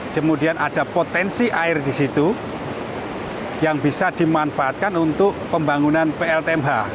kemudian ada potensi air di situ yang bisa dimanfaatkan untuk pembangunan pltmh